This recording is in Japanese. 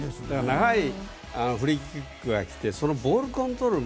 長いフリーキックが来てそのボールコントロール